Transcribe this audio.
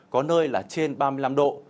có nơi là trên ba mươi năm độ